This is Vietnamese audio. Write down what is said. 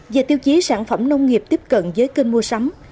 về tiêu chí sản phẩm nông nghiệp tiếp cận với kênh mua sắm